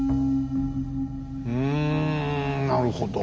うんなるほど。